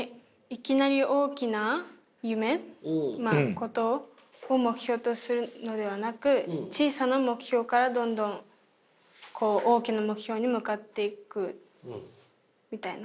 ことを目標とするのではなく小さな目標からどんどん大きな目標に向かっていくみたいな？